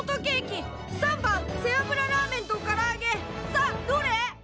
さあどれ？